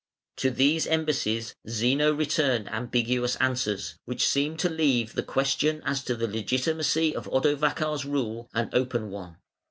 To these embassies Zeno returned ambiguous answers, which seemed to leave the question as to the legitimacy of Odovacar's rule an open one.